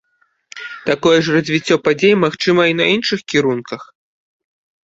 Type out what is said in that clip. Такое ж развіццё падзей магчыма і на іншых кірунках.